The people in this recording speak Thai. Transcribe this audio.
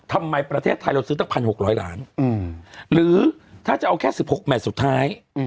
ประเทศไทยเราซื้อตั้ง๑๖๐๐ล้านหรือถ้าจะเอาแค่๑๖แมทสุดท้าย